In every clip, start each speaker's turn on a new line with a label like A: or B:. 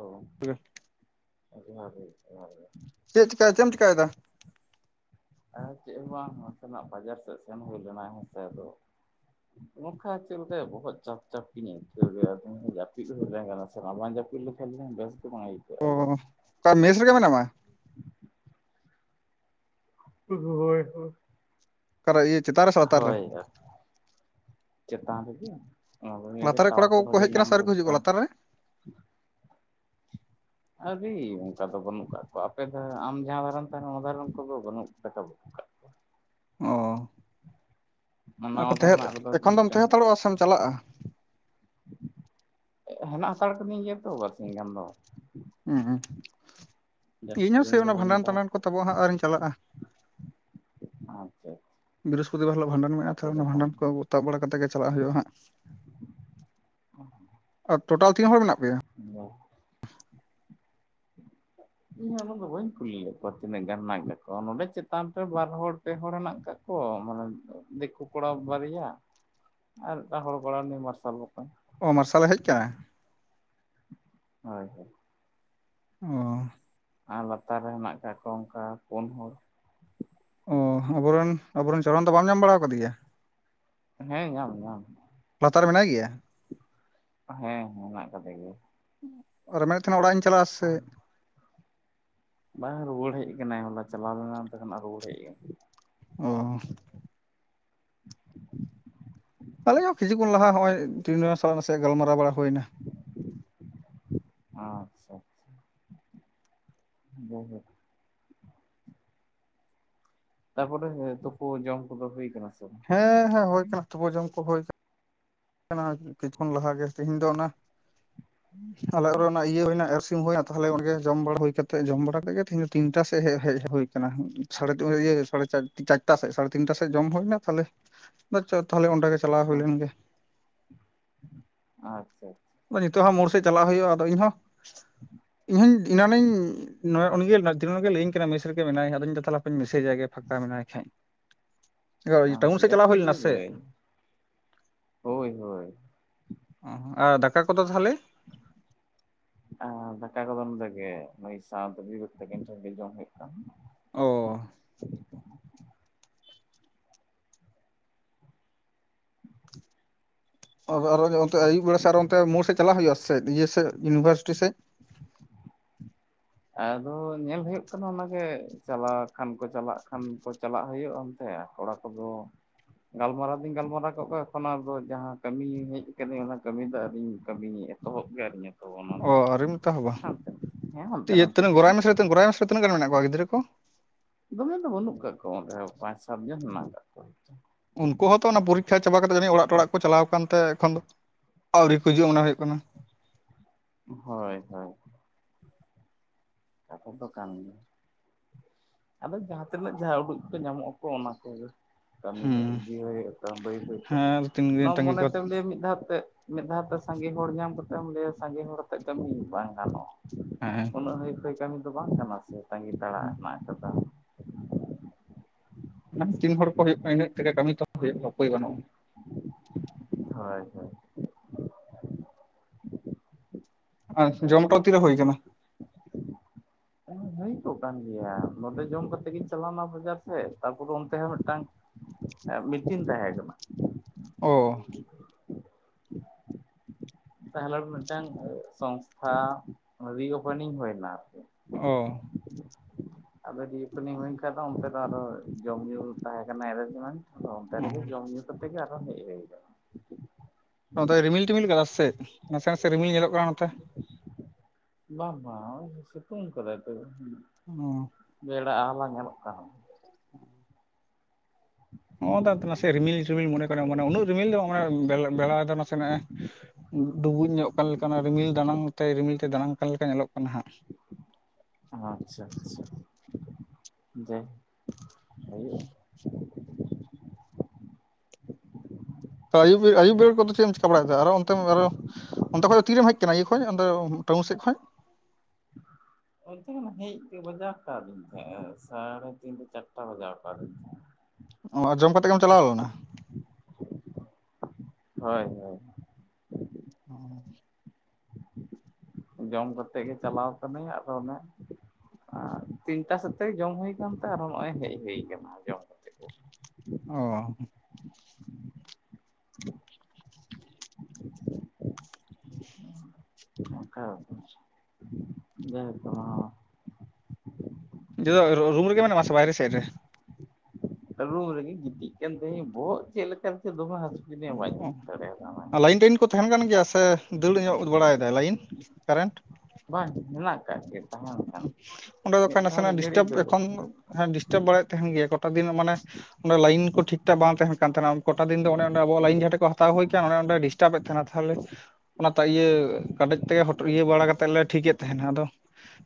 A: ᱚ [unintelligible]
B: ᱪᱮᱫ ᱪᱮᱠᱟ ᱪᱮᱫ ᱮᱢ ᱪᱮᱠᱟᱭᱮᱫᱟ?
A: ᱟᱨ ᱪᱮᱫ ᱦᱚᱸ ᱵᱟᱝ ᱱᱟᱥᱮᱱᱟᱜ ᱵᱟᱡᱟᱨ ᱥᱮᱫ ᱥᱮᱱ ᱦᱩᱭ ᱞᱮᱱᱟᱭ ᱦᱮᱥᱮ ᱫᱚ ᱚᱱᱠᱟ ᱪᱮᱫᱞᱮᱠᱟᱭᱟ ᱵᱚᱦᱚᱜ ᱪᱟᱯ ᱪᱟᱯ ᱜᱤᱧ ᱟᱹᱭᱠᱟᱹᱣ ᱜᱮᱭᱟ ᱡᱟᱹᱯᱤᱫ ᱛᱟᱦᱮᱸ ᱠᱟᱱᱟ ᱥᱮ ᱵᱟᱝ ᱡᱟᱹᱯᱤᱫ ᱞᱮᱠᱷᱟᱱ [unintelligible]
B: ᱚᱸ ᱚᱠᱟ ᱢᱮᱥ ᱨᱮᱜᱮ ᱢᱮᱱᱟᱢᱟ
A: ᱦᱳᱭ ᱦᱳᱭ
B: ᱪᱮᱛᱟᱨ [inaudible]
A: ᱦᱳᱭᱭᱟ ᱪᱮᱛᱟᱱ ᱨᱮᱜᱮ
B: ᱞᱟᱛᱟᱨ ᱨᱮ ᱠᱚᱲᱟ
A: ᱴᱟᱣᱚᱨ ᱠᱚ
B: ᱠᱚᱠᱚ
A: ᱵᱷᱟᱹᱜᱮ
B: ᱦᱮᱡ ᱠᱟᱱᱟ
A: ᱧᱟᱢ
B: ᱥᱮ ᱟᱹᱣᱨᱤ
A: ᱮᱫᱟ
B: ᱠᱚ ᱦᱤᱡᱩᱜᱼᱟ
A: ᱪᱮᱛᱟᱱ
B: ᱞᱟᱛᱟᱨ
A: ᱨᱮ ᱟᱰᱤ ᱚᱱᱠᱟ ᱫᱚ ᱵᱟᱹᱱᱩᱜ ᱟᱠᱟᱫ ᱠᱚᱣᱟ ᱟᱯᱮ ᱫᱚ ᱟᱢ ᱡᱟᱦᱟᱸ ᱫᱷᱟᱨᱮ ᱛᱟᱦᱮᱱᱟ ᱚᱱᱟ ᱫᱷᱟᱨᱮᱱ ᱠᱚᱫᱚ ᱵᱟᱹᱱᱩᱜ [unintelligible]
B: ᱚᱸ
A: ᱱᱟᱣᱟ
B: ᱛᱟᱦᱮᱸᱫ
A: ᱫᱷᱟᱨᱮᱱᱟᱜ ᱨᱮᱫᱚ
B: ᱮᱠᱷᱚᱱ
A: ᱪᱚᱝ
B: ᱫᱚᱢ ᱛᱟᱦᱮᱸ
A: ᱦᱮᱱᱟᱜ
B: ᱦᱟᱛᱟᱲᱚᱜᱼᱟ
A: ᱠᱟᱜ
B: ᱥᱮᱢ
A: ᱠᱚᱣᱟ
B: ᱪᱟᱞᱟᱜᱼᱟ
A: ᱦᱮᱱᱟᱜ ᱦᱟᱛᱟᱲ ᱠᱟᱹᱫᱤᱧ ᱜᱮᱭᱟᱛᱚ ᱵᱟᱨ ᱥᱤᱧ ᱜᱟᱱ ᱫᱚ ᱡᱟᱹᱥᱛᱤ
B: ᱤᱧ ᱦᱚ
A: ᱫᱤᱱ
B: ᱥᱟᱹᱭ
A: ᱫᱚ
B: ᱚᱱᱟ
A: ᱵᱟᱹᱧ
B: ᱵᱷᱟᱸᱰᱟᱱ
A: ᱛᱟᱦᱮᱸ
B: ᱴᱟᱰᱟᱱ ᱠᱚ
A: ᱦᱟᱛᱟᱲ
B: ᱛᱟᱵᱚᱜ-ᱟ ᱦᱟᱸᱜ ᱟᱨᱤᱧ ᱪᱟᱞᱟᱜᱼᱟ
A: ᱟᱪᱪᱷᱟ
B: ᱵᱩᱫ ᱵᱟᱨ ᱦᱤᱞᱳᱜ ᱵᱷᱟᱰᱟᱱ ᱢᱮᱱᱟᱜᱼᱟ ᱛᱷᱚ
A: ᱠᱟᱛᱷᱟ ᱫᱚ
B: ᱚᱱᱟ
A: ᱠᱟᱱ
B: ᱵᱷᱟᱰᱟᱱ ᱠᱚ ᱛᱟᱵ ᱵᱟᱲᱟ ᱠᱟᱛᱮ ᱜᱮ ᱪᱟᱞᱟᱜ ᱦᱩᱭᱩᱜᱼᱟ ᱦᱟᱸᱜ
A: [unintelligible]
B: ᱟᱨ ᱴᱳᱴᱟᱞ ᱛᱤᱱ ᱦᱚᱲ ᱢᱮᱱᱟᱜ ᱯᱮᱭᱟ
A: ᱚᱸ [inaudible] ᱤᱧ ᱦᱚ ᱚᱱᱟᱹᱜ ᱫᱚ ᱵᱟᱹᱧ ᱠᱩᱞᱤ ᱞᱮᱫ ᱠᱚᱣᱟ ᱛᱤᱱᱟᱹᱜ ᱜᱟᱱ ᱢᱮᱱᱟᱜ ᱟᱠᱟᱜ ᱠᱚᱣᱟ ᱱᱚᱸᱰᱮ ᱪᱮᱛᱟᱱ ᱨᱮ ᱵᱟᱨ ᱦᱚᱲ ᱯᱮ ᱦᱚᱲ ᱦᱮᱱᱟᱜ ᱠᱟᱜ ᱠᱚᱣᱟ ᱢᱟᱱᱮ ᱫᱤᱠᱩ ᱠᱚᱲᱟ ᱵᱟᱨᱭᱟ ᱟᱨ ᱮᱴᱟᱜ ᱦᱚᱲ ᱠᱚᱲᱟ ᱩᱱᱤ ᱢᱟᱨᱥᱟᱞ ᱵᱚᱠᱚᱧ
B: ᱚ ᱢᱟᱨᱥᱟᱞᱮ ᱦᱮᱡ ᱟᱠᱟᱱᱟ
A: ᱦᱳᱭ ᱦᱳᱭ
B: ᱚᱸ
A: ᱟᱨ ᱞᱟᱛᱟᱨ ᱨᱮ ᱦᱮᱱᱟᱜ ᱟᱠᱟᱫ ᱠᱚᱣᱟ ᱚᱱᱠᱟ ᱯᱩᱱ ᱦᱚᱲ᱾
B: ᱚ ᱟᱵᱚᱨᱮᱱ ᱟᱵᱚᱨᱮᱱ ᱪᱚᱨᱚᱱ ᱫᱚ ᱵᱟᱢ ᱧᱟᱢ ᱵᱟᱲᱟ ᱟᱠᱟᱫᱮᱭᱟ
A: ᱦᱮᱸ ᱧᱟᱢ ᱧᱟᱢ
B: ᱞᱟᱛᱟᱨ ᱨᱮ ᱢᱮᱱᱟᱜ ᱜᱮᱭᱟ
A: ᱦᱮᱸ ᱦᱮᱱᱟᱜ ᱠᱟᱫᱮ ᱜᱮᱭᱟ
B: ᱟᱨ ᱢᱮᱱᱮᱫ ᱛᱟᱦᱮᱱᱟ ᱚᱲᱟᱜ ᱤᱧ ᱪᱟᱞᱟᱜᱼᱟ ᱥᱮᱜ
A: ᱵᱟᱝ ᱨᱩᱣᱟᱹᱲ ᱦᱮᱡ ᱠᱟᱱᱟᱭ ᱦᱚᱞᱟ ᱪᱟᱞᱟᱣ ᱞᱮᱱᱟ ᱚᱱᱛᱮ ᱠᱷᱚᱱᱟᱜ ᱨᱩᱣᱟᱹᱲ ᱦᱮᱡ
B: ᱚᱸ
A: [inaudible]
B: ᱟᱞᱮ ᱦᱚᱸ ᱠᱤᱪᱩ ᱠᱷᱚᱱ ᱞᱟᱦᱟ ᱱᱚᱸᱜᱼᱚᱭ [unintelligible] ᱥᱟᱞᱟᱜ ᱱᱟᱥᱮ ᱜᱟᱞᱢᱟᱨᱟᱣ ᱵᱟᱲᱟ ᱦᱩᱭᱱᱟ
A: ᱟᱪᱪᱷᱟ ᱟᱪᱪᱷᱟ [inaudible] [inaudible] ᱛᱟᱯᱚᱨᱮ ᱛᱩᱯᱩ ᱡᱚᱢ ᱠᱚᱫᱚ ᱦᱩᱭ ᱟᱠᱟᱱᱟ ᱥᱮ ᱵᱟᱝ
B: ᱦᱮᱸ ᱦᱮᱸ ᱦᱳᱭ ᱟᱠᱟᱱᱟ ᱛᱩᱵᱟᱹ ᱡᱚᱢ ᱠᱚ ᱦᱳᱭ ᱟᱠᱟᱱᱟ ᱠᱤᱪᱷᱩ ᱠᱷᱚᱱ ᱞᱟᱦᱟ ᱜᱮ ᱛᱤᱦᱤᱧ ᱫᱚ ᱚᱱᱟ ᱟᱞᱮ ᱨᱮ ᱤᱭᱟᱹ ᱦᱩᱭᱱᱟ ᱮᱥ ᱦᱩᱭᱟ ᱛᱟᱦᱚᱞᱮ ᱜᱚᱢᱠᱮ ᱡᱚᱢ ᱵᱟᱲᱟ ᱦᱩᱭ ᱠᱟᱛᱮ ᱡᱚᱢ ᱵᱟᱲᱟ ᱠᱟᱛᱮ ᱜᱮ ᱛᱤᱦᱤᱧ ᱫᱚ ᱛᱤᱱᱴᱟ ᱥᱮᱡ ᱦᱮᱡ ᱦᱩᱭ ᱟᱠᱟᱱᱟ ᱥᱟᱲ ᱥᱟᱲᱮ ᱥᱟᱲᱮ ᱛᱤᱱᱴᱟ ᱥᱮᱡ ᱡᱚᱢ ᱦᱩᱭᱱᱟ ᱛᱟᱞᱮ ᱟᱪᱪᱷᱟ ᱛᱟᱦᱚᱞᱮ ᱚᱸᱰᱮ ᱜᱮ ᱪᱟᱞᱟᱣ ᱦᱩᱭ ᱞᱮᱱ ᱜᱮ
A: ᱟᱪᱪᱷᱟ
B: ᱱᱤᱛᱚᱜ ᱦᱟᱸ ᱢᱳᱲ ᱥᱮᱫ ᱪᱟᱞᱟᱜ ᱦᱩᱭᱩᱼᱟ ᱟᱫᱚ ᱤᱧᱦᱚᱸ
A: [unintelligible]
B: ᱤᱧ ᱦᱚᱸᱧ ᱮᱱᱟᱱ ᱱᱤᱧ ᱱᱚᱜ ᱩᱱᱤ ᱜᱮ ᱞᱟᱹᱭᱟᱹᱧ ᱠᱟᱱᱟ ᱢᱮᱥ ᱨᱮᱜᱮ ᱢᱮᱱᱟᱭᱟ ᱟᱫᱚᱧ ᱛᱟᱦᱚᱞᱮᱧ ᱢᱮᱥᱮᱡᱟ ᱜᱮ ᱯᱷᱟᱸᱠᱟ ᱢᱮᱱᱟᱭ ᱠᱷᱟᱡ ᱴᱟᱣᱩᱱ ᱥᱮᱫ ᱪᱟᱞᱟᱣ ᱦᱩᱭ
A: ᱡᱟᱹᱯᱤᱫ
B: ᱞᱮᱱᱟ ᱥᱮ
A: ᱞᱮᱫᱟᱹᱧ ᱦᱳᱭ ᱦᱳᱭ
B: ᱟᱠᱚ ᱫᱚ ᱛᱟᱦᱟᱞᱮ
A: [inaudible] ᱫᱟᱠᱟ ᱠᱚᱫᱚ ᱱᱚᱰᱮ ᱜᱮ ᱱᱩᱭ ᱥᱟᱶ ᱛᱤ ᱜᱮ ᱡᱚᱢ ᱦᱩᱭᱩᱜ ᱠᱟᱱ
B: ᱚ ᱟᱨ ᱚᱱᱛᱮ ᱟᱹᱭᱩᱵ ᱵᱮᱲᱟ ᱥᱮᱫ ᱟᱨ ᱚᱱᱛᱮ ᱢᱳᱲ ᱥᱮᱫ ᱪᱟᱞᱟᱜ ᱦᱩᱭᱩᱜᱼᱟ ᱥᱮ ᱤᱭᱟᱹ ᱥᱮᱫ ᱤᱭᱩᱱᱤᱵᱷᱟᱨᱥᱤᱴᱤ ᱥᱮᱫ
A: ᱟᱫᱚ ᱧᱮᱞ ᱦᱩᱭᱩᱜ ᱠᱟᱱᱟ ᱚᱱᱟ ᱜᱮ ᱪᱟᱞᱟᱣ ᱠᱷᱟᱱ ᱠᱚ ᱪᱟᱞᱟᱜ ᱠᱷᱟᱱ ᱠᱚ ᱪᱟᱞᱟᱜ ᱦᱩᱭᱩᱜᱼᱟ ᱥᱮ ᱠᱚᱲᱟ ᱠᱚᱫᱚ ᱜᱟᱞᱢᱟᱨᱟᱣ ᱫᱚᱧ ᱜᱟᱞᱢᱟᱨᱟᱣ ᱠᱚᱜ ᱠᱚᱣᱟ ᱮᱠᱷᱚᱱᱫᱚ ᱡᱟᱦᱟᱸ ᱠᱟᱹᱢᱤ ᱦᱮᱡ ᱟᱠᱟᱱᱟᱹᱧ ᱚᱱᱟ ᱠᱟᱹᱢᱤ ᱫᱚ ᱟᱣᱨᱤᱧ ᱠᱟᱹᱢᱤᱭᱮ ᱼᱟ ᱛᱚᱦᱚᱵ ᱜᱮᱨ ᱤᱧᱟ
B: ᱚ ᱟᱹᱣᱨᱤᱢ ᱮᱛᱚᱦᱚᱵᱟ
A: ᱦᱮᱸ ᱦᱟᱱᱛᱮ
B: ᱤᱭᱟᱹ
A: ᱱᱟᱛᱮ
B: ᱛᱤᱱᱟᱹᱜ ᱜᱚᱨᱟᱭ
A: ᱛᱮᱜᱮ
B: ᱢᱮᱥ ᱨᱮ ᱜᱚᱨᱟᱭ ᱢᱮᱥ ᱨᱮ ᱛᱤᱱᱟᱹᱜ ᱜᱟᱱ ᱢᱮᱱᱟᱜ ᱠᱚᱣᱟ ᱜᱤᱫᱽᱨᱟᱹ ᱠᱚ
A: ᱫᱚᱢᱮ ᱫᱚ ᱵᱟᱹᱱᱩᱜ ᱠᱟᱜ ᱠᱚᱣᱟ ᱚᱸᱰᱮᱦᱚᱸ ᱯᱟᱸᱪ ᱥᱟᱛ ᱡᱚᱱ ᱦᱮᱱᱟᱜ ᱠᱟᱜ ᱠᱚᱣᱟ
B: ᱩᱱᱠᱩ ᱦᱚᱸᱛᱚ ᱚᱱᱟ ᱯᱚᱨᱤᱠᱷᱟ ᱪᱟᱵᱟ ᱠᱟᱛᱮ ᱡᱟᱹᱱᱤᱡ ᱚᱲᱟᱜ ᱴᱚᱲᱟᱜ ᱠᱚ ᱪᱟᱞᱟᱣ ᱠᱟᱱᱛᱮ ᱮᱠᱷᱚᱱ ᱫᱚ ᱟᱹᱣᱨᱤ ᱠᱚ ᱦᱤᱡᱩᱜᱼᱟ ᱢᱚᱱᱮ ᱦᱩᱭᱩᱜ ᱠᱟᱱᱟ
A: ᱦᱳᱭ ᱦᱳᱭ ᱠᱟᱛᱷᱟ ᱫᱚ ᱠᱟᱱ ᱜᱮᱭᱟ ᱟᱫᱚ ᱡᱟᱦᱟᱸᱛᱤᱱᱟᱹᱜ ᱡᱷᱟ ᱩᱰᱩᱠ ᱠᱚ ᱧᱟᱢᱚᱜ ᱟᱠᱚ ᱚᱱᱟ ᱠᱚ ᱜᱮ ᱠᱟᱹᱢᱤ
B: ᱦᱩᱸ
A: ᱤᱫᱤ ᱦᱩᱭᱩᱜ ᱛᱚ ᱵᱟᱹᱭ ᱵᱟᱹᱭ ᱛᱮ
B: ᱦᱮᱸ ᱛᱤᱱ ᱫᱤᱱ
A: ᱱᱚᱣᱟ
B: ᱛᱟᱺᱜᱤ ᱠᱚ
A: ᱢᱚᱱᱮᱛᱮᱢ ᱞᱟᱹᱭᱟ ᱢᱤᱫ ᱫᱷᱟᱣ ᱛᱮ ᱢᱤᱫ ᱫᱷᱟᱣ ᱛᱮ ᱥᱟᱸᱜᱮ ᱦᱚᱲ ᱧᱟᱢ ᱠᱟᱛᱮᱜ ᱞᱟᱹᱭᱟ ᱥᱟᱸᱜᱮ ᱦᱚᱲ ᱟᱛᱮᱜ ᱠᱟᱹᱢᱤ ᱵᱟᱝ ᱜᱟᱱᱚᱜᱼᱟ
B: ᱦᱮᱸ
A: ᱩᱱᱟᱹᱜ ᱦᱟᱹᱭᱯᱷᱟᱹᱭ ᱠᱟᱹᱢᱤ ᱫᱚ ᱵᱟᱝ ᱠᱟᱱᱟ ᱥᱮ ᱛᱟᱹᱜᱤ ᱛᱟᱲᱟᱜ ᱨᱮᱱᱟᱜ ᱠᱟᱛᱷᱟ
B: ᱛᱤᱱ ᱦᱚᱲ ᱠᱚ ᱦᱩᱭᱩᱜ ᱠᱟᱱᱟ ᱤᱱᱟᱹᱜ ᱛᱮᱜᱮ ᱠᱟᱹᱢᱤ ᱮᱛᱚᱦᱚᱵ ᱦᱩᱭᱩᱜᱼᱟ ᱩᱯᱟᱹᱭ ᱵᱟᱹᱱᱩᱜᱼᱟ
A: ᱦᱳᱭ ᱦᱳᱭ
B: ᱟᱨ ᱡᱚᱢᱴᱚᱢ ᱛᱤᱨᱮ ᱦᱩᱭ ᱟᱠᱟᱱᱟ
A: ᱦᱩᱭ ᱠᱚᱜ ᱠᱟᱱ ᱜᱮᱭᱟ ᱱᱚᱰᱮ ᱡᱚᱢ ᱠᱟᱛᱮᱜ ᱜᱤᱧ ᱪᱟᱞᱟᱣᱱᱟ ᱵᱟᱡᱟᱨ ᱥᱮᱫ ᱛᱟᱨᱯᱚᱨ ᱚᱱᱛᱮ ᱦᱚᱸ ᱢᱤᱫᱴᱟᱝ ᱢᱤᱴᱤᱝ ᱛᱟᱦᱮᱸ ᱠᱟᱱᱟ
B: ᱚ
A: ᱛᱟᱦᱚᱞᱮ ᱢᱤᱫᱴᱟᱝ ᱥᱚᱝᱥᱛᱷᱟ ᱨᱤᱳᱯᱮᱱᱤᱝ ᱦᱩᱭᱱᱟ
B: ᱚ
A: ᱟᱫᱚ ᱨᱤᱳᱯᱮᱱᱤᱝ ᱦᱩᱭᱮᱱ ᱠᱷᱟᱱ ᱫᱚ ᱚᱱᱛᱮ ᱫᱚ ᱟᱨᱚ ᱡᱚᱢ ᱧᱩ ᱛᱟᱦᱮᱸᱠᱟᱱᱟ ᱮᱨᱮᱡᱢᱮᱱᱴ ᱟᱫᱚ ᱚᱱᱛᱮ ᱨᱮᱜᱮ ᱡᱚᱢ ᱧᱩ ᱠᱟᱛᱮᱜ ᱜᱮ ᱟᱨᱚ ᱦᱮᱡ ᱦᱩᱭ ᱮᱱᱟ
B: ᱱᱚᱛᱮ ᱨᱤᱢᱤᱞ ᱴᱤᱢᱤᱞ ᱟᱠᱟ ᱥᱮ ᱪᱮᱫ ᱱᱟᱥᱮ ᱱᱟᱥᱮ ᱨᱤᱢᱤᱞ ᱧᱮᱞᱚᱜ ᱠᱟᱱᱟ ᱱᱚᱛᱮ
A: ᱵᱟᱝ ᱵᱟᱝ ᱥᱤᱛᱩᱢ ᱠᱟᱫᱟᱭ ᱛᱚ
B: ᱩᱸ
A: ᱵᱮᱲᱟ ᱟᱦᱟᱞᱟ ᱧᱮᱞᱚᱜ ᱠᱟᱱᱟ
B: ᱚ ᱱᱟᱥᱮ ᱨᱤᱢᱤᱞ ᱴᱤᱢᱤᱞ ᱢᱚᱱᱮ ᱢᱟᱱᱮ ᱩᱱᱟᱹᱜ ᱨᱤᱢᱤᱞ ᱫᱚ ᱵᱟᱝ ᱢᱟᱱᱮ ᱵᱮᱲᱟᱭ ᱫᱚ ᱱᱟᱥᱮᱱᱟᱜ ᱮ ᱰᱩᱵᱩᱡ ᱧᱚᱜ ᱠᱟᱱ ᱞᱮᱠᱟ ᱨᱤᱢᱤᱞ ᱫᱟᱱᱟᱝ ᱛᱮ ᱨᱤᱢᱤᱞ ᱛᱮ ᱫᱟᱱᱟᱝ ᱠᱟᱱ ᱞᱮᱠᱟ ᱧᱮᱞᱚᱜ ᱠᱟᱱᱟ ᱦᱟᱸᱜ
A: ᱟᱪᱪᱷᱟ ᱟᱪᱪᱷᱟ ᱡᱟᱭ ᱦᱩᱭᱩᱜ
B: ᱟᱹᱭᱩᱵ ᱟᱹᱭᱩᱵ ᱵᱮᱨ ᱠᱚᱫᱚ ᱪᱮᱫ ᱮᱢ ᱪᱮᱠᱟ ᱵᱟᱲᱟᱭᱮᱫᱟ ᱟᱨᱚ ᱚᱱᱛᱮ ᱟᱨᱚ ᱚᱱᱛᱮ ᱠᱷᱚᱡ ᱫᱚ ᱛᱤᱨᱮᱢ ᱦᱮᱡ ᱟᱠᱟᱱᱟ ᱤᱭᱟᱹ ᱠᱷᱚᱡ ᱚᱱᱰᱮ ᱴᱟᱹᱣᱩᱱ ᱥᱮᱫ ᱠᱷᱚᱡ
A: ᱚᱱᱛᱮ ᱦᱮᱡ ᱛᱮ ᱵᱟᱡᱟᱣ ᱟᱠᱟᱣᱫᱤᱧ ᱛᱟᱦᱮᱸᱜ ᱥᱟᱲᱮ ᱛᱤᱱᱴᱟ ᱪᱟᱨᱴᱟ ᱵᱟᱡᱟᱣ ᱟᱠᱟᱫᱤᱧ ᱛᱟᱦᱮᱸᱜ [inaudible]
B: ᱚ ᱟᱨ ᱡᱚᱢ ᱠᱟᱛᱮᱜ ᱜᱮᱢ ᱪᱟᱞᱟᱣ ᱞᱮᱱᱟ।
A: ᱦᱳᱭ ᱦᱳᱭ
B: ᱦ
A: ᱡᱚᱢ ᱠᱟᱛᱮᱫ ᱜᱮ ᱪᱟᱞᱟᱣ ᱠᱟᱹᱱᱟᱹᱧ ᱟᱫᱚ ᱚᱱᱮ ᱛᱤᱱᱴᱟ ᱥᱮᱫ ᱛᱮ ᱡᱚᱢ ᱦᱩᱭᱠᱟᱱ ᱛᱮ ᱟᱨᱦᱚᱸ ᱱᱚᱦᱚᱭ ᱦᱮᱡ ᱦᱩᱭ ᱟᱠᱟᱱᱟ ᱡᱚᱢ‌‌‍। ᱪᱮᱠᱚᱥ [unintelligible]
B: ᱚ
A: ᱚᱱᱠᱟ ᱵᱮᱯᱟᱨ [unintelligible]
B: ᱡᱮᱫᱟ ᱨᱩᱢ ᱨᱮ ᱜᱮ ᱢᱮᱱᱟᱢᱟ ᱥᱮ ᱵᱟᱭᱨᱮ ᱥᱮᱫ ᱨᱮ
A: ᱨᱩᱢ ᱨᱮᱜᱮ ᱜᱤᱛᱤᱡ ᱠᱟᱱ ᱛᱟᱦᱮᱸᱧ ᱵᱚᱦᱚᱜ ᱪᱮᱫ ᱞᱮᱠᱟ ᱪᱚ ᱫᱚᱢᱮ ᱦᱟᱹᱥᱩ ᱠᱤᱫᱤᱧᱟ ᱵᱟᱹᱧ
B: ᱦ
A: ᱵᱩᱡᱽ ᱫᱟᱲᱮᱭᱟᱫᱟ ᱚᱱᱟ
B: ᱚ ᱞᱟᱭᱤᱱ ᱴᱟᱭᱤᱱ ᱠᱚ ᱛᱟᱦᱮᱸᱱ ᱠᱟᱱ ᱜᱮᱭᱟ ᱥᱮ ᱫᱟᱹᱲ ᱧᱚᱜ ᱵᱟᱲᱟᱭᱮᱫᱟᱭ ᱞᱟᱭᱤᱱ ᱠᱟᱨᱮᱱᱴ?
A: ᱵᱟᱝ ᱦᱮᱱᱟᱜ ᱟᱠᱟ ᱜᱮ᱾ ᱛᱟᱦᱮᱱ ᱠᱷᱟᱱ
B: ᱚᱸᱰᱮ ᱫᱚ
A: ᱢᱤᱫ
B: ᱠᱷᱟᱱ
A: ᱫᱷᱟᱣ ᱢᱤᱫ
B: ᱱᱟᱥᱮᱱᱟᱜ
A: ᱜᱷᱟᱹᱲᱤᱡ
B: ᱰᱤᱥᱴᱟᱵ
A: ᱫᱟᱹᱲ ᱦᱮᱸ
B: ᱮᱠᱷᱚᱱ ᱦᱮᱸ ᱰᱤᱥᱴᱟᱵ ᱵᱟᱲᱟᱭᱮᱫ ᱛᱟᱦᱮᱱ ᱜᱮᱭᱟᱳᱴᱟ ᱫᱤᱱ ᱢᱟᱱᱮ ᱚᱸᱰᱮ ᱞᱟᱭᱤᱱ ᱠᱚ ᱴᱷᱤᱠ ᱴᱷᱟ ᱵᱟᱝ ᱛᱟᱦᱮᱱ ᱠᱟᱱ ᱛᱟᱦᱮᱸᱟᱦᱮᱱᱟ ᱠᱚᱚᱴᱟ ᱫᱤᱱ ᱫᱚ ᱚᱱᱮᱸ ᱟᱵᱣᱟᱜ ᱞᱟᱭᱤᱱ ᱡᱟᱦᱟᱸ ᱴᱷᱮ ᱠᱚ ᱦᱟᱛᱟᱣ ᱦᱩᱭ ᱠᱮᱭᱟ ᱚᱱᱮ ᱚᱸᱰᱮ ᱰᱤᱥᱴᱟᱵ ᱵᱮᱫ ᱛᱟᱦᱮᱱᱟ ᱛᱟᱦᱚᱞᱮ ᱚᱱᱟ ᱤᱭᱟᱹ ᱠᱟᱰᱮᱡ ᱛᱮᱜᱮ ᱤᱭᱟᱹ ᱵᱟᱲᱟ ᱠᱟᱛᱮᱫ ᱞᱮ ᱴᱷᱤᱠᱮᱫ ᱛᱟᱦᱮᱞᱮᱱᱟ, ᱟᱫᱚ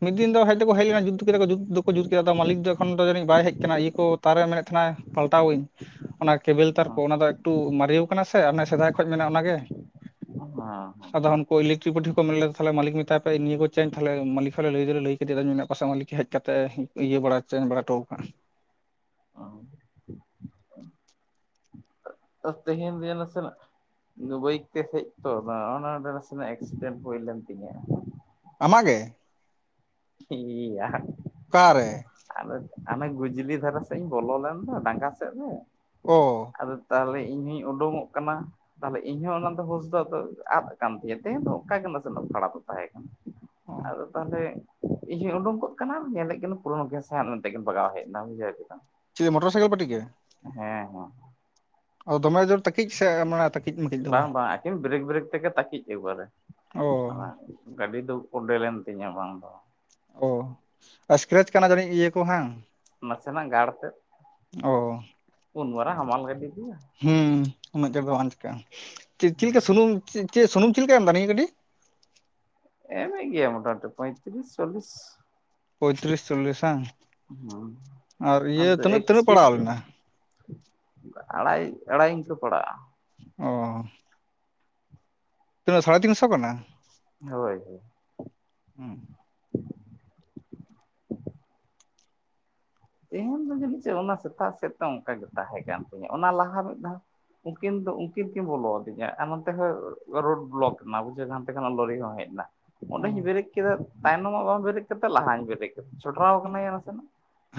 B: ᱢᱤᱫ ᱫᱤᱱ ᱫᱚ ᱦᱮᱡ ᱫᱚᱠᱚ ᱦᱮᱡ ᱞᱮᱱᱟ ᱡᱩᱛ ᱠᱮᱫᱟ ᱡᱩᱛ ᱫᱚᱠᱚ ᱡᱩᱛ ᱠᱮᱫᱟᱚ ᱢᱟᱞᱤᱠ ᱫᱚ ᱮᱠᱷᱚᱱ ᱫᱚ ᱡᱟᱹᱱᱤᱡ ᱵᱟᱭ ᱦᱮᱡ ᱠᱟᱱᱟ ᱤᱭᱟᱹ ᱠᱚ ᱛᱟᱨ ᱨᱮ ᱢᱮᱱᱮᱫ ᱛᱟᱦᱮᱱᱟ ᱯᱟᱞᱴᱟᱣᱟᱹᱧ᱾ ᱚᱱᱟ ᱠᱮᱵᱮᱞ ᱛᱟᱨ ᱠᱚ ᱚᱱᱟ ᱫᱚ ᱮᱠᱴᱩ ᱢᱟᱨᱮᱳ ᱠᱟᱱᱟ ᱥᱮ ᱥᱮᱫᱟᱭ ᱠᱷᱚᱡ ᱢᱮᱱᱟᱜᱼᱟ ᱚᱱᱟᱜᱮ᱾
A: ᱦᱮᱸ
B: ᱟᱫᱚᱱ ᱦᱟᱱᱠᱚ ᱤᱞᱮᱠᱴᱨᱤᱠ ᱯᱟᱴᱤ ᱠᱚ ᱢᱮᱱ ᱞᱮᱫᱟ ᱛᱟᱦᱞᱮ ᱢᱟᱞᱤᱠ ᱢᱮᱛᱟᱭ ᱯᱮ ᱱᱤᱭᱟᱹ ᱠᱚ ᱪᱮ ᱢᱟᱞᱤᱠ ᱛᱮ ᱞᱟᱹᱭ ᱫᱚ ᱞᱮ ᱞᱟᱹᱭ ᱠᱮᱫᱮ ᱟ ᱯᱟᱥᱟ ᱢᱟᱞᱤᱠ ᱦᱮᱡ ᱠᱟᱛᱮᱫ ᱤᱭᱟᱹ ᱵᱟᱲᱟ ᱪᱮᱧᱡ ᱵᱟᱲᱟ ᱦᱚᱴᱚ ᱠᱟᱜᱼᱟ᱾
A: ᱛᱮᱦᱮᱧ ᱫᱚ ᱭᱟ ᱱᱟᱥᱮᱱᱟᱜ ᱵᱟᱹᱭᱤᱠ ᱛᱮ ᱦᱮᱡ ᱛᱚ ᱱᱚᱜ ᱱᱚᱰᱮ ᱱᱟᱥᱮᱱᱟᱜ ᱮᱠᱥᱤᱰᱮᱱᱴ ᱦᱩᱭ ᱞᱮᱱ ᱛᱤᱧᱟᱹ᱾
B: ᱟᱢᱟᱜ ᱜᱮ?
A: ᱦᱮᱸ ᱭᱟ।
B: ᱚᱠᱟᱨᱮ
A: ᱟᱫᱚ ᱟᱱᱮ ᱜᱩᱡᱽᱞᱤ ᱫᱷᱟᱨᱟ ᱥᱮᱜ ᱤᱧ ᱵᱚᱞᱚ ᱞᱮᱱ ᱫᱚ ᱰᱟᱝᱜᱟ ᱥᱮᱫ ᱨᱮ᱾
B: ᱚ
A: ᱟᱫᱚ ᱛᱟᱦᱚᱞᱮ ᱤᱧ ᱦᱚᱧ ᱳᱰᱳᱝᱠᱚᱜ ᱠᱟᱱᱟ᱾ ᱛᱟᱦᱚᱞᱮ ᱤᱧᱦᱚᱸ ᱚᱱᱟ ᱫᱚ ᱦᱩᱥᱫᱟ ᱫᱚ ᱟᱫᱚ ᱠᱟᱱ ᱛᱤᱧᱟᱹ ᱛᱮᱦᱮᱧ ᱦᱚ ᱚᱱᱠᱟ ᱜᱮ ᱱᱟᱥᱮ ᱱᱟᱜ ᱯᱷᱟᱲᱟ ᱫᱚ ᱛᱟᱦᱮᱸ ᱠᱟᱱᱟ᱾
B: ᱚ
A: ᱟᱫᱚ ᱛᱟᱦᱚᱞᱮ ᱤᱧ ᱦᱚᱸᱧ ᱳᱰᱳᱝᱠᱚᱜ ᱠᱟᱱᱟ ᱟᱨ ᱧᱮᱞᱮᱜ ᱠᱤᱱᱟᱹᱧ ᱯᱩᱨᱟ ᱥᱟᱝ ᱢᱮᱱᱛᱮ ᱠᱤᱱ ᱵᱟᱜᱟᱣ ᱦᱮᱡᱱᱟ ᱵᱩᱡᱷᱟᱹᱣ ᱠᱮᱫᱟᱢ ᱾
B: ᱪᱮ ᱢᱚᱴᱚᱨ ᱥᱟᱭᱠᱮᱞ ᱯᱟᱹᱴᱤ ᱜᱮ?
A: ᱦᱮᱸ ᱦᱮᱸ
B: ᱟ ᱫᱚᱢᱮ ᱡᱳᱨ ᱛᱟᱹᱠᱤᱡ ᱥᱮ
A: [unintelligible]
B: ᱢᱟᱱᱮ ᱛᱟᱹᱠᱤᱡ ᱢᱟᱹᱠᱤᱡ ᱫᱚ
A: ᱵᱟᱝ ᱵᱟᱝ ᱟᱹᱠᱤᱱ ᱵᱨᱮᱠ ᱵᱨᱮᱠ ᱛᱮᱜᱮ ᱛᱟᱹᱠᱤᱡ ᱮᱠᱵᱟᱨᱮ।
B: ᱚ
A: ᱜᱟᱹᱰᱤ ᱫᱚ ᱠᱚᱰᱮᱞᱮᱧ ᱛᱤᱧᱟᱹ ᱵᱟᱝ ᱫᱚ ᱵᱟᱝ᱾
B: ᱚ ᱥᱠᱨᱮᱪ ᱠᱟᱱᱟ ᱡᱟᱹᱱᱤᱡ ᱤᱭᱟᱹ ᱠᱚ ᱦᱟᱝ?
A: ᱱᱟᱥᱮᱱᱟᱜ ᱜᱟᱲ ᱛᱮᱫ
B: ᱚ
A: ᱩᱱ ᱢᱟᱨᱟᱝ ᱦᱟᱢᱟᱞ ᱜᱟᱹᱰᱤ ᱫᱟᱭᱟ᱾
B: ᱦᱩᱸ ᱩᱱᱟᱹᱜ ᱪᱟᱬ ᱫᱚ ᱵᱟᱝ ᱪᱤᱠᱟᱹᱜᱼᱟ ᱪᱮᱫ ᱪᱮᱫ ᱞᱮᱠᱟ ᱥᱩᱱᱩᱢ ᱪᱮ ᱪᱮᱫ ᱥᱩᱱᱩᱢ ᱪᱮᱫ ᱞᱮᱠᱟ ᱮᱢ ᱫᱟ ᱱᱤᱭᱟᱹ ᱜᱟᱹᱰᱤ?
A: ᱮᱢ ᱮᱜ ᱜᱮᱭᱟ ᱢᱚᱴᱟᱢᱴᱤ ᱯᱚᱭᱛᱨᱤᱥ ᱪᱚᱞᱞᱤᱥ᱾
B: ᱯᱚᱸᱭᱛᱨᱤᱥ ᱪᱚᱞᱞᱤᱥ ᱦᱟᱝ
A: ᱦᱩᱸ
B: ᱟᱨ ᱤᱭᱟᱹ ᱛᱤᱱᱟᱹᱜ ᱛᱤᱱᱟᱹᱜ ᱯᱟᱲᱟᱣ ᱞᱮᱱᱟ?
A: ᱚᱝᱠᱟ ᱟᱲᱟᱭ ᱟᱲᱟᱭ ᱤᱝᱠᱟᱹ ᱯᱟᱲᱟᱜᱼᱟ᱾
B: ᱚ ᱛᱤᱱᱟᱹᱜ ᱥᱟᱲᱮ ᱛᱤᱱᱥᱚ ᱠᱟᱱᱟ?
A: ᱦᱳᱭ ᱦᱳᱭ
B: ᱦᱩᱸ
A: ᱛᱮᱦᱮᱧ [unintelligible] ᱫᱚ ᱚᱱᱟ ᱥᱮᱛᱟᱜ ᱥᱮᱫᱛᱮ ᱚᱱᱠᱟ ᱜᱮ ᱛᱟᱦᱮᱸ ᱠᱟᱱ ᱛᱤᱧᱟᱹ ᱚᱱᱟ ᱞᱟᱦᱟ ᱢᱤᱫ ᱫᱷᱟᱣ ᱩᱱᱠᱤᱱ ᱫᱚ ᱩᱱᱠᱤᱱ ᱠᱤᱱ ᱵᱚᱞᱚ ᱟᱹᱫᱤᱧᱟ ᱟᱨ ᱦᱚᱱᱛᱮ ᱨᱳᱰ ᱵᱞᱚᱠ ᱮᱱᱟ ᱵᱩᱡᱷ ᱦᱟᱱᱛᱮ ᱠᱷᱚᱱᱟᱜ ᱞᱚᱨᱤ ᱦᱚᱸ ᱦᱮᱡ ᱱᱟ᱾
B: ᱚ
A: ᱚᱸᱰᱮᱧ ᱵᱨᱮᱠ ᱠᱮᱫᱟ ᱛᱟᱭᱱᱚᱢ ᱢᱟᱜ ᱵᱟᱝ ᱵᱮᱨᱮᱠ ᱠᱟᱛᱮ ᱞᱟᱦᱟᱧ ᱵᱮᱨᱮᱠ ᱠᱮᱫᱟ ᱪᱷᱚᱰᱨᱟᱣ ᱠᱟᱹᱱᱟᱹᱧ ᱱᱟᱥᱮᱱᱟᱜ᱾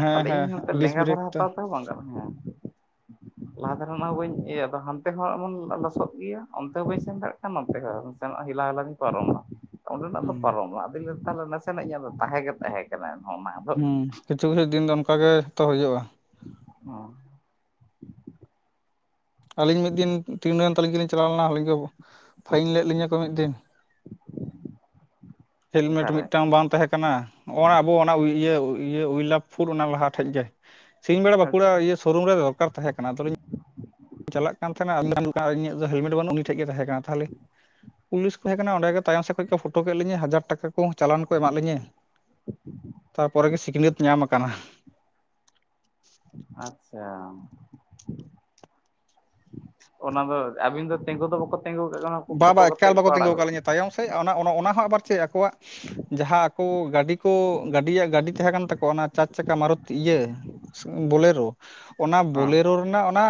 B: ᱦᱮᱸ
A: ᱛᱟᱦᱞᱮ ᱤᱧ ᱦᱟᱱᱛᱮ
B: ᱦᱮᱸ ᱰᱤᱥ
A: ᱞᱮᱸᱜᱟ
B: ᱵᱨᱮᱠ
A: ᱫᱷᱟᱨᱮ
B: ᱛᱚ
A: ᱦᱟᱛᱟᱣ ᱛᱮᱦᱚᱸ ᱵᱟᱝ ᱜᱟᱱᱚᱜ᱾ [inaudible] ᱞᱟᱦᱟ ᱫᱷᱟᱨᱮᱱᱜ ᱦᱚᱸ ᱵᱟᱹᱧ ᱤᱭᱟᱹ ᱦᱟᱱᱛᱮ ᱦᱚᱸ ᱮᱢᱚᱱ ᱞᱚᱥᱚᱫ ᱜᱮᱭᱟ ᱚᱱᱛᱮ ᱦᱚᱸ ᱵᱟᱹᱧ ᱥᱮᱱ ᱫᱟᱲᱮᱭᱟᱜ ᱠᱟᱱᱟ ᱚᱱᱛᱮ ᱦᱚᱸ ᱦᱮᱞᱟᱣ ᱞᱟᱝ [inaudible] ᱚᱸᱰᱮᱱᱟᱜ ᱫᱚ
B: ᱦᱩᱸ
A: ᱯᱟᱨᱚᱢᱱᱟ [unintelligible] ᱛᱟᱦᱚᱞᱮ ᱱᱟᱥᱮᱱᱟᱜ ᱤᱧᱟᱹᱜ ᱫᱚ ᱛᱟᱦᱮᱸ ᱜᱮ ᱛᱟᱦᱮᱸ ᱠᱟᱱᱟ ᱮᱱᱦᱚᱸ [inaudible]
B: ᱦᱩᱸ [unintelligible] ᱫᱤᱱ ᱜᱟᱱ ᱚᱝᱠᱟ ᱛᱚ ᱦᱩᱭᱩᱜᱼᱟ᱾
A: ᱚᱸ
B: ᱟᱹᱞᱤᱧ ᱢᱤᱫ ᱫᱤᱱ ᱴᱤ ᱱᱚᱭᱚᱱ ᱛᱟᱹᱞᱤᱧ ᱜᱮᱞᱤᱧ ᱪᱟᱞᱟᱣ ᱞᱮᱱᱟ ᱟᱞᱤᱧ ᱠᱚ ᱯᱷᱟᱹᱭᱤᱱ ᱞᱮᱫ ᱞᱤᱧᱟᱹ ᱠᱚ ᱢᱤᱫ ᱫᱤᱱ᱾ ᱦᱮᱞᱢᱮᱴ
A: ᱚᱠᱟᱨᱮ
B: ᱢᱤᱫᱴᱟᱝ ᱵᱟᱝ ᱛᱟᱦᱮᱸ ᱠᱟᱱᱟ? ᱱᱚᱜᱼᱚᱭ ᱟᱵᱚ ᱚᱱᱟ ᱤᱭᱟᱹ ᱤᱭᱟᱹ ᱩᱭᱞᱟᱯᱷ ᱯᱷᱩᱨ ᱚᱱᱟ ᱞᱟᱦᱟ ᱴᱷᱮᱡ ᱜᱮ ᱥᱤᱧ ᱵᱮᱲᱟ
A: ᱟᱪᱪᱷᱟ
B: ᱵᱟᱸᱠᱩᱲᱟ ᱤᱭᱟᱹ ᱥᱳᱨᱩᱢ ᱨᱮ ᱫᱚᱨᱠᱟᱨ ᱛᱟᱦᱮᱸ ᱠᱟᱱᱟ ᱟᱫᱚᱞᱤᱧ ᱪᱟᱞᱟᱜ ᱠᱟᱱ ᱛᱟᱦᱮᱱᱟ [unintelligible] ᱟᱞᱤᱧᱟᱜ ᱫᱚ ᱦᱮᱞᱢᱮᱴ ᱵᱟᱹᱱᱩᱜ ᱩᱱᱤ ᱴᱷᱮᱡ ᱜᱮ ᱛᱟᱦᱮᱸ ᱠᱟᱱᱟ ᱛᱟᱦᱚᱞᱮ ᱯᱩᱞᱤᱥ ᱠᱚ ᱛᱟᱦᱮᱸ ᱠᱟᱱᱟ ᱚᱸᱰᱮ ᱜᱮ ᱛᱟᱭᱚᱢ ᱥᱮᱫ ᱠᱷᱚᱱ ᱠᱚ ᱯᱷᱳᱴᱳ ᱠᱮᱫ ᱞᱤᱧ ᱦᱟᱡᱟᱨ ᱴᱟᱠᱟ ᱠᱚ ᱪᱟᱞᱟᱱ ᱠᱚ ᱮᱢᱟᱜ ᱞᱤᱧᱟᱹ᱾ ᱛᱟᱯᱚᱨᱮ ᱜᱮ ᱥᱤᱠᱷᱱᱟᱹᱛ ᱧᱟᱢ ᱟᱠᱟᱱᱟ᱾
A: ᱟᱪᱪᱷᱟ ᱚᱱᱟ ᱫᱚ ᱟᱹᱵᱤᱱ ᱫᱚ ᱛᱤᱸᱜᱩ ᱫᱚ ᱵᱟᱠᱚ ᱛᱤᱸᱜᱩ ᱠᱟᱜ ᱵᱤᱱᱟ
B: ᱵᱟ
A: ᱯᱷᱳᱴᱳ
B: ᱵᱟ
A: ᱠᱟᱛᱮ
B: ᱮᱠᱟᱞ
A: ᱜᱮ ᱠᱚ
B: ᱵᱟᱠᱚ ᱛᱤᱸᱜᱩ
A: ᱟᱲᱟᱜᱚᱜᱼᱟ
B: ᱟᱠᱟᱫ ᱞᱤᱧᱟᱹ ᱛᱟᱭᱚᱢ ᱥᱮᱫ ᱚᱱᱟ ᱚᱱᱟ ᱚᱱᱟ ᱦᱚᱸ ᱟᱵᱟᱨ ᱪᱮᱫ ᱟᱠᱚᱣᱟᱜ᱾ ᱡᱟᱦᱟᱸ ᱟᱠᱚ ᱜᱟᱹᱰᱤ ᱠᱚ ᱜᱟᱹᱰᱤᱭᱟᱜ ᱜᱟᱹᱰᱤ ᱛᱟᱦᱮᱸ ᱠᱟᱱ ᱛᱟᱠᱚᱣᱟ ᱚᱱᱟ ᱪᱟᱨ ᱪᱟᱠᱟ ᱢᱟᱨᱚᱛᱤ ᱤᱭᱟᱹ ᱵᱳᱞᱮᱨᱳ ᱚᱱᱟ
A: ᱦᱮᱸ
B: ᱵᱳᱞᱮᱨᱳ ᱨᱮᱱᱟᱜ ᱚᱱᱟ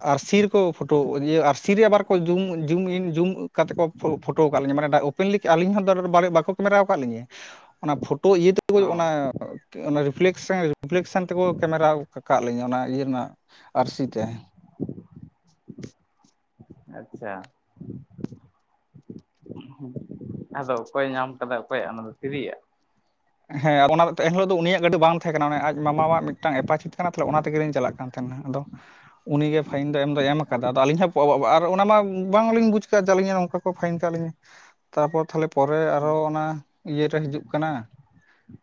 B: ᱟᱨᱥᱤ ᱨᱮᱠᱚ ᱯᱷᱳᱴᱳ [inaudible] ᱟᱨᱥᱤᱨᱮ ᱟᱵᱟᱨ ᱠᱚ ᱡᱩᱢ ᱡᱩᱢᱤᱱ ᱡᱩᱢ ᱠᱟᱛᱮ ᱠᱚ ᱯᱷᱳᱴᱳ ᱟᱠᱟᱫ ᱞᱤᱧᱟ ᱢᱟᱱᱮ ᱳᱯᱮᱱᱞᱤ ᱟᱞᱤᱧ ᱦᱚᱸ ᱵᱟᱠᱚ ᱠᱮᱢᱮᱨᱟᱣ ᱟᱠᱟᱫ ᱞᱤᱧᱟᱹ ᱚᱱᱟ ᱯᱷᱳᱴᱳ ᱤᱭᱟᱹᱛᱮᱠᱚ ᱚᱱᱟ
A: ᱚ
B: ᱚᱱᱟ ᱨᱤᱯᱷᱞᱮᱠᱥᱮᱱ ᱨᱤᱯᱷᱞᱮᱠᱥᱮᱱ ᱛᱮᱠᱚ ᱠᱮᱢᱮᱨᱟ ᱟᱠᱟᱫ ᱞᱤᱧᱟᱹ ᱚᱱᱟ ᱤᱭᱟᱹ ᱨᱮᱱᱟᱜ ᱟᱹᱨᱥᱤ ᱛᱮ
A: ᱟᱪᱪᱷᱟ᱾ ᱟᱫᱚ ᱚᱠᱚᱭ ᱧᱟᱢ ᱠᱟᱫᱟ ᱚᱠᱚᱭᱟᱜ ᱚᱱᱟ ᱫᱚ ᱛᱤᱨᱤᱭᱟᱜ
B: ᱦᱮᱸ [inaudible] ᱮᱱᱦᱤᱞᱳᱜ ᱫᱚ ᱩᱱᱤᱭᱟᱜ ᱜᱟᱹᱰᱤ ᱵᱟᱝ ᱛᱟᱦᱮᱸ ᱠᱟᱱᱟ ᱟᱡ ᱢᱟᱢᱟᱟᱜ ᱢᱤᱫᱴᱟᱝ ᱮᱯᱟᱪᱤ ᱚᱱᱟ ᱛᱮᱜᱮᱞᱤᱧ ᱪᱟᱞᱟᱜ ᱠᱟᱱ ᱛᱟᱦᱮᱱᱟ ᱟᱫᱚ ᱩᱱᱤᱜᱮ ᱯᱷᱟᱭᱤᱱ ᱫᱚᱭ ᱮᱢ ᱫᱚᱭ ᱮᱢ ᱠᱟᱫᱟ ᱟᱫᱚ ᱟᱹᱞᱤᱧ ᱦᱚᱸ [inaudible] ᱟᱨ ᱚᱱᱟ ᱢᱟ ᱵᱟᱝᱞᱤᱧ ᱵᱩᱡ ᱟᱠᱟᱫ ᱡᱮ ᱟᱞᱤᱧᱟᱜ ᱱᱚᱝᱠᱟ ᱠᱚ ᱯᱷᱟᱭᱤᱱ ᱠᱟᱜ ᱞᱤᱧᱟ ᱛᱟᱨᱯᱚᱨ ᱛᱟᱦᱞᱮ ᱯᱚᱨᱮ ᱟᱨᱚ ᱚᱱᱟ ᱤᱭᱟᱹᱨᱮ ᱦᱤᱡᱩᱜ ᱠᱟᱱᱟ᱾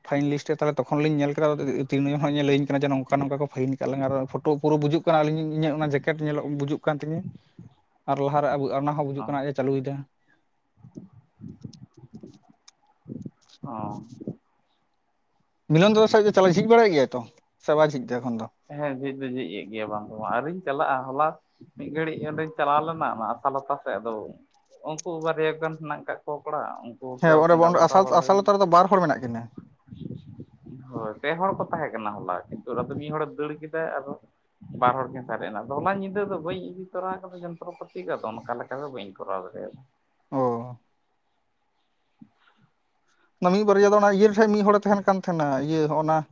B: ᱯᱷᱟᱭᱤᱱ ᱞᱤᱥᱴ ᱨᱮ ᱛᱟᱦᱚᱞᱮ ᱛᱚᱠᱷᱚᱱ ᱞᱤᱧ ᱧᱮᱞ ᱠᱮᱫᱟ ᱛᱤᱨᱱᱚᱭᱚᱱ ᱤᱧᱮ ᱞᱟᱹᱭᱟᱹᱧ ᱠᱟᱱᱟ ᱡᱮ ᱱᱚᱝᱠᱟ ᱱᱚᱝᱠᱟ ᱠᱚ ᱯᱷᱟᱭᱤᱱ ᱠᱟᱫ ᱞᱟᱝ ᱟ ᱟᱨ ᱯᱩᱨᱟᱹ ᱵᱩᱡᱩᱜ ᱠᱟᱱᱟᱞᱤᱧ ᱤᱧᱟᱹᱜ ᱚᱱᱟ ᱡᱮᱠᱮᱴ ᱧᱮᱞᱚᱜ ᱵᱩᱡᱩᱜ ᱠᱟᱱ ᱛᱤᱧᱟᱹ ᱟᱨ ᱞᱟᱦᱟᱨᱮ ᱚᱱᱟ ᱦᱚᱸ ᱵᱩᱡᱩᱜ
A: ᱚ
B: ᱠᱟᱱᱟ ᱟᱡ ᱮ ᱪᱟᱹᱞᱩᱭᱮᱫᱟ᱾
A: ᱚᱸ
B: ᱢᱤᱞᱚᱱ ᱫᱟᱫᱟ ᱫᱚ ᱪᱟᱞᱟᱜ ᱡᱷᱤᱡ ᱵᱟᱲᱟᱭᱮᱫ ᱜᱮᱭᱭᱟ ᱛᱚ ᱥᱮ ᱵᱟᱭ ᱡᱤᱡ ᱮᱜ-ᱟ ᱮᱠᱷᱚᱱ ᱫᱚ
A: ᱦᱮᱸ ᱡᱷᱤᱡ ᱫᱚ ᱡᱷᱤᱡ ᱮᱫ ᱜᱮᱭᱟ ᱵᱟᱝ ᱫᱚ ᱵᱟᱝ ᱟᱣᱨᱤᱧ ᱪᱟᱞᱟᱜᱼᱟ ᱦᱚᱞᱟ ᱢᱤᱫ ᱜᱷᱟᱹᱲᱤᱡ ᱚᱸᱰᱮᱧ ᱪᱟᱞᱟᱣ ᱞᱮᱱᱟ ᱚᱱᱟ ᱟᱥᱟᱞᱚᱛᱟ ᱥᱮᱫ ᱟᱫᱚ ᱩᱱᱠᱩ ᱵᱟᱨᱭᱟ ᱜᱟᱱ ᱢᱮᱱᱟᱜ ᱟᱠᱟᱫ ᱠᱚᱲᱟ ᱩᱱᱠᱩ
B: ᱦᱮᱸ
A: ᱜᱟᱞ
B: ᱚᱸᱰᱮ
A: ᱢᱟᱨᱟᱣᱜ
B: ᱟᱥᱟᱞ
A: ᱵᱟᱲᱟ ᱦᱩᱭ ᱱᱟ᱾
B: ᱟᱥᱟᱞᱚᱛᱟ ᱨᱮᱫᱚ ᱵᱟᱨ ᱦᱚᱲ ᱢᱮᱱᱟᱜ ᱠᱤᱱᱟᱹ
A: ᱦᱳᱭ ᱯᱮ ᱦᱚᱲ ᱠᱚ ᱛᱟᱦᱮᱸ ᱠᱟᱱᱟ ᱦᱚᱞᱟ ᱠᱤᱱᱛᱩ ᱟᱫᱚ ᱢᱤᱫ ᱦᱚᱲᱮ ᱫᱟᱹᱲ ᱠᱮᱫᱟ ᱟᱫᱚ ᱵᱟᱨ ᱦᱚᱲ ᱠᱤᱱ ᱥᱟᱨᱮᱡ ᱱᱟ ᱟᱫᱚ ᱚᱱᱟ ᱧᱤᱫᱟᱹ ᱫᱚ ᱵᱟᱹᱧ ᱤᱫᱤ ᱛᱚᱨᱟ ᱠᱟᱫᱟ ᱡᱚᱱᱛᱨᱚᱯᱟᱹᱛᱤ ᱠᱚ ᱟᱫᱚ ᱚᱱᱠᱟ ᱞᱮᱠᱟ ᱵᱟᱹᱧ ᱠᱚᱨᱟᱣ ᱫᱟᱲᱤᱭᱟᱫᱟ᱾
B: ᱚ ᱚᱱᱟ ᱢᱤᱫ ᱵᱟᱨᱭᱟ ᱫᱚ ᱚᱱᱟ ᱤᱭᱟᱹ ᱴᱷᱮᱱ ᱢᱤᱫ ᱦᱚᱲᱮ ᱛᱟᱦᱮᱱ ᱠᱟᱱ ᱛᱟᱦᱮᱱᱟ ᱤᱭᱟᱹ ᱦᱚᱸᱜᱱᱟ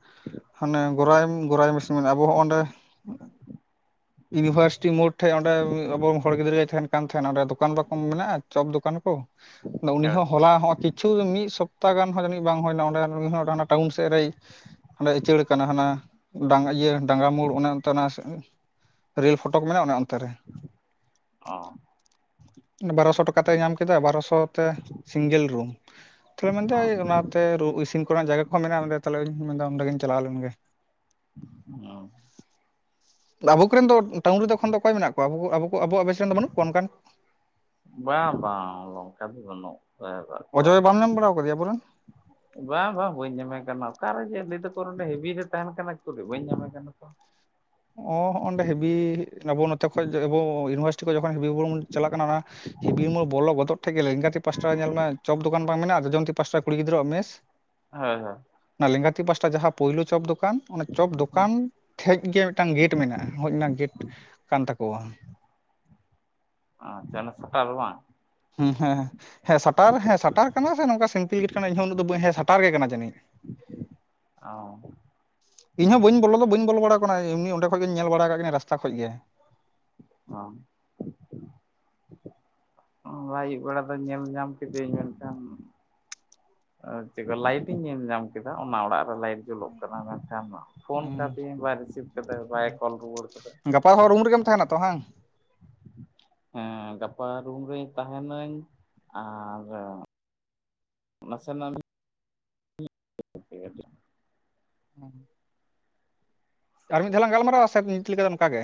B: ᱦᱟᱱᱮ ᱜᱚᱨᱟᱭ ᱜᱚᱨᱟᱭ ᱢᱮᱥᱤᱱ ᱢᱮᱥ ᱟᱵᱚ ᱦᱚᱸᱜ ᱵᱮ
A: [unintelligible]
B: ᱤᱭᱩᱱᱤᱵᱷᱟᱨᱥᱤᱴᱤ ᱢᱳᱰ ᱴᱷᱮᱱ ᱚᱸᱰᱮ ᱟᱵᱚ ᱦᱚᱲ ᱜᱤᱫᱽᱨᱟᱹᱭ ᱛᱟᱦᱮᱱ [unintelligible] ᱚᱸᱰᱮ ᱫᱚᱠᱟᱱ ᱵᱟᱠᱚ ᱢᱮᱱᱟᱜᱼᱟ ᱪᱚᱯ ᱫᱚᱠᱟᱱ ᱠᱚ ᱩᱱᱤ
A: ᱦᱮᱸ
B: ᱦᱚᱸ ᱦᱚᱞᱟ ᱦᱚᱸᱜ [unintelligible] ᱠᱤᱪᱷᱩ ᱢᱤᱫ ᱥᱚᱯᱛᱛᱟ ᱜᱟᱱ ᱦᱚᱸ ᱡᱟᱱᱤᱡ ᱵᱟᱝ ᱦᱩᱭᱱᱟ ᱚᱸᱰᱮ ᱴᱟᱣᱩᱱ ᱥᱮᱫ ᱨᱮᱭ ᱦᱟᱸᱰᱮ ᱩᱪᱟᱹᱲ ᱠᱟᱱᱟ ᱦᱟᱱᱟ ᱰᱟᱝ ᱤᱭᱟᱹ ᱰᱟᱝᱜᱨᱟ ᱢᱳᱲ ᱚᱱᱮ ᱚᱱᱛᱮ ᱚᱱᱟ ᱨᱮᱞ ᱯᱷᱳᱴᱳᱚᱠ ᱢᱮᱱᱟᱜᱼᱟ ᱚᱱᱟ ᱚᱱᱛᱮ ᱨᱮ
A: ᱚ
B: ᱵᱟᱨᱚᱥᱚ ᱴᱟᱠᱟ ᱛᱮᱭ ᱧᱟᱢ ᱠᱮᱫᱟ ᱵᱟᱨᱚᱥᱚ ᱛᱮ ᱥᱤᱝᱜᱮᱞ ᱨᱩᱢ ᱛᱟᱦᱞᱮ ᱢᱮᱱᱫᱟ
A: ᱚ
B: ᱚᱱᱟᱛᱮ ᱤᱥᱤᱱ ᱠᱚᱨᱮᱱᱟᱜ ᱡᱟᱭᱜᱟ ᱠᱚᱦᱚᱸ ᱢᱮᱱᱟᱜᱼᱟ ᱛᱟᱦᱮᱧ ᱢᱮᱱᱫᱟ ᱚᱱᱰᱮᱜᱤᱧ ᱪᱟᱞᱟᱣ ᱞᱮᱱ ᱜᱮ
A: ᱦᱮᱸ [unintelligible]
B: ᱟᱵᱚ ᱠᱚᱱ ᱫᱚ ᱴᱟᱣᱩᱱ ᱨᱮᱫᱚᱠᱷᱚᱱ ᱫᱚ ᱚᱠᱚᱭ ᱢᱮᱱᱟᱜ ᱠᱚᱣᱟ ᱟᱵᱚ ᱟᱵᱚ ᱠᱚ ᱟᱵᱚᱣᱟᱜ ᱵᱮᱪ ᱨᱮᱱ ᱫᱚ ᱵᱟᱹᱱᱩᱜ ᱠᱚᱣᱟ ᱚᱱᱠᱟᱱ
A: ᱵᱟᱝ ᱵᱟᱝ ᱱᱚᱝᱠᱟ ᱫᱚ ᱵᱟᱹᱱᱩᱜ ᱠᱟᱜ ᱠᱚᱣᱟ
B: ᱚᱡᱚᱭ ᱵᱟᱢ ᱧᱟᱢ ᱵᱟᱲᱟᱣ ᱠᱟᱫᱮᱭᱟ ᱟᱵᱚᱨᱮᱱ
A: ᱵᱟᱝ ᱵᱟᱝ ᱵᱟᱹᱧ ᱧᱟᱢᱮ ᱠᱟᱱᱟ ᱚᱠᱟᱨᱮ ᱡᱮ ᱞᱟᱹᱭ ᱫᱟᱠᱚ ᱡᱮ ᱦᱮᱵᱤ ᱨᱮ ᱛᱟᱦᱮᱱ ᱠᱟᱱᱟ ᱩᱠᱩᱨᱤ ᱵᱟᱹᱧ ᱧᱟᱢᱮ ᱠᱟᱱᱟ ᱠᱚ
B: ᱚ ᱦᱚᱸᱜᱼᱚᱭ ᱱᱚᱰᱮ ᱦᱮᱵᱤ ᱟᱵᱚ ᱱᱚᱛᱮ ᱠᱷᱚᱡ ᱟᱵᱚ ᱤᱭᱩᱱᱤᱵᱷᱟᱨᱥᱤᱴᱤ ᱠᱷᱚᱱ ᱡᱚᱠᱷᱚᱱ ᱦᱮᱵᱤ ᱵᱚᱱ ᱪᱟᱞᱟᱜ ᱠᱟᱱᱟ ᱚᱱᱟ ᱦᱤᱵᱤ ᱢᱳᱲ ᱵᱚᱞᱚ ᱜᱚᱫᱚᱜ ᱴᱷᱮᱡ ᱜᱮ ᱞᱮᱝᱜᱟᱛᱤ ᱯᱟᱥᱴᱟ ᱨᱮ ᱧᱮᱞ ᱢᱮ ᱪᱚᱯ ᱫᱚᱠᱟᱱ ᱵᱟᱝ ᱢᱮᱱᱟᱜᱼᱟ ᱟ ᱡᱚᱡᱚᱢ ᱯᱟᱥᱴᱟ ᱠᱩᱲᱤ ᱜᱤᱫᱽᱨᱟᱹᱣᱟᱜ ᱢᱮᱥ
A: ᱦᱳᱭ ᱦᱳᱭ
B: ᱚᱱᱟ ᱞᱮᱸᱜᱟᱛᱤ ᱯᱟᱥᱴᱟ ᱡᱟᱦᱟᱸ ᱯᱩᱭᱞᱩ ᱪᱚᱯ ᱫᱚᱠᱟᱱ ᱚᱱᱟ ᱪᱚᱯ ᱫᱚᱠᱟᱱ ᱴᱷᱮᱡ ᱜᱮ ᱢᱤᱫᱴᱟᱝ ᱜᱮᱴ ᱢᱮᱱᱟᱜᱼᱟ ᱦᱚᱡᱽ ᱨᱮᱱᱟᱜ ᱜᱮᱴ ᱠᱟᱱ ᱛᱟᱠᱚᱣᱟ
A: ᱥᱮᱮᱱ ᱥᱴ ᱟᱞ [unintelligible] ᱵᱟᱝ
B: ᱦᱮᱸ ᱦᱮᱸᱸᱮᱸ ᱥᱟᱴᱟᱨ ᱦᱮᱸ ᱥᱟᱴᱟᱨ ᱠᱟᱱᱟ ᱥᱮ ᱱᱚᱝᱠᱟ ᱥᱤᱢᱯᱤᱞ ᱞᱮᱠᱟᱱᱟᱜ ᱠᱟᱱᱟ ᱤᱧ ᱦᱚᱸ ᱩᱱᱟᱹᱜ ᱫᱚ ᱵᱟᱹᱧ ᱥᱟᱴᱟᱨ ᱜᱮ ᱠᱟᱱᱟ ᱡᱟᱹᱱᱤᱡ
A: ᱚ [unintelligible]
B: ᱤᱧᱦ ᱵᱟᱹᱧ ᱵᱚᱞᱚ ᱫᱚ ᱵᱟᱹᱧ ᱵᱚᱞᱚ ᱵᱟᱲᱟ ᱟᱠᱟᱱᱟ ᱮᱢᱱᱤ ᱚᱸᱰᱮ ᱠᱷᱚᱡ ᱜᱮ ᱧᱮᱞ ᱵᱟᱲᱟ ᱠᱟᱫᱤᱱᱟ ᱨᱟᱥᱛᱟ ᱠᱷᱚᱱ ᱜᱮ
A: ᱚ [inaudible] ᱟᱹᱭᱩᱵ ᱵᱮᱲᱟ ᱫᱚ ᱧᱮᱞ ᱧᱟᱢ ᱠᱮᱧ ᱢᱮᱱᱠᱷᱟᱱ ᱪᱮᱫ ᱞᱟᱭᱤᱴ ᱤᱧ ᱧᱮᱞ ᱧᱟᱢ ᱠᱮᱫᱟ ᱚᱱᱟ ᱚᱲᱟᱜ ᱨᱮ ᱞᱟᱭᱤᱴ ᱡᱩᱞᱚᱜ ᱠᱟᱱᱟ ᱢᱮᱱᱠᱷᱟᱱ ᱢᱟ ᱯᱷᱳᱱ ᱠᱟᱫᱤᱧ ᱵᱟᱭ ᱨᱤᱥᱤᱵᱷ ᱠᱟᱫᱟ ᱵᱟᱭ ᱠᱚᱞ ᱨᱩᱣᱟᱹᱲ ᱠᱟᱫᱟ
B: ᱚᱠᱟ ᱦᱚᱲ ᱨᱩᱢ ᱨᱮᱜᱮᱢ ᱛᱟᱦᱮᱱᱟ ᱛᱚ ᱵᱟᱝ
A: ᱦᱮᱸ ᱜᱟᱯᱟ ᱨᱩᱢ ᱨᱮᱧ ᱛᱟᱦᱮᱱᱟᱹᱧ ᱟᱨ ᱱᱟᱥᱮ ᱱᱟᱜ ᱷᱟ [unintelligible]
B: ᱦᱮᱸ [inaudible] ᱟᱨ ᱢᱤᱫ ᱫᱷᱟᱣ ᱞᱟᱝ ᱜᱟᱞᱢᱟᱨᱟᱣᱟ ᱥᱮ ᱤᱝᱠᱟᱹ ᱞᱮᱠᱟ ᱫᱚ ᱱᱚᱝᱠᱟ ᱜᱮ